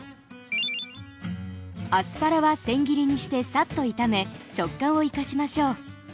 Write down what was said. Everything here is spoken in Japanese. アスパラはせん切りにしてサッと炒め食感を生かしましょう。